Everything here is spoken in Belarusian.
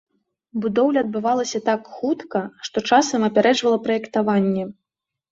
Будоўля адбывалася так хутка, что часам апярэджвала праектаванне.